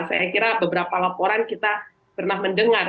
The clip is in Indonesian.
saya kira beberapa laporan kita pernah mendengar